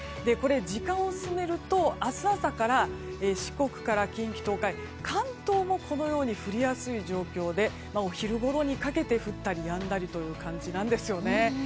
時間を進めると明日朝から四国から近畿・東海関東もこのように降りやすい状況でお昼ごろにかけて降ったりやんだりという感じなんですよね。